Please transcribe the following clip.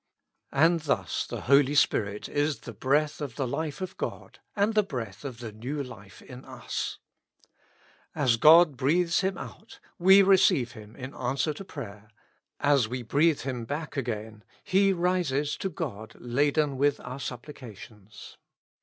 And thus the Holy Spirit is the breath of the life of God and the breath of the new life in us. As God breathes Him out, we receive 207 With Christ in the School of Prayer. Him in answer to prayer ; as we breathe Him back again, He rises to God laden with our supplications.